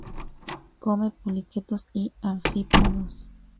Come poliquetos y anfípodos.